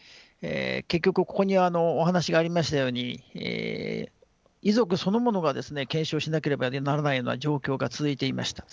結局ここにお話がありましたように遺族そのものが検証しなければならないような状況が続いていました。